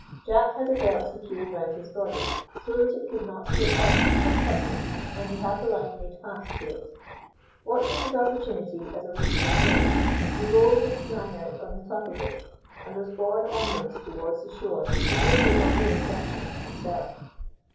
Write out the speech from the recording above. Jack had a belt secured round his body, so that it could not slip off or cut him, and he had the line made fast to it. Watching his opportunity as a wave rolled in, he boldly sprang out on the top of it, and was borne onwards towards the shore with little or no exertion to himself.